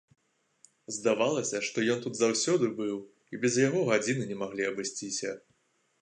Здавалася, што ён тут заўсёды быў і без яго і гадзіны не маглі абысціся.